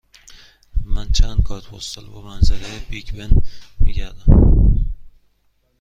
من چند کارت پستال با منظره بیگ بن می گردم.